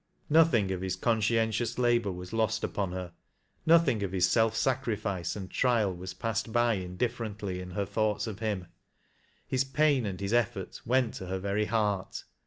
^ Nothing of his conscientionf labor was lost upon her ; nothing of his self sacrifice and trial was passed by indifferently in her thoughts of him ; his pain and his effort went to her very heart.